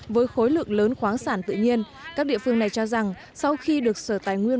với khối lượng lớn khoáng sản tự nhiên các địa phương này cho rằng sau khi được sở tài nguyên